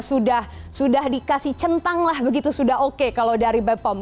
sudah dikasih centanglah begitu sudah oke kalau dari bepom